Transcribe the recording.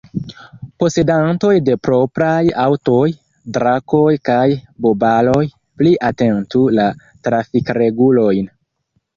Posedantoj de propraj aŭtoj – Drakoj kaj Bubaloj – pli atentu la trafikregulojn.